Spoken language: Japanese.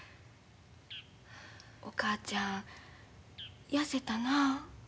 お母ちゃん痩せたな。